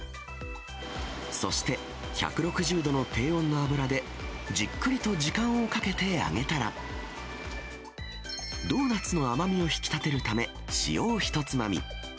そして、１６０度の低温の油で、じっくりと時間をかけて揚げたら、ドーナツの甘みを引き立てるため、塩を一つまみ。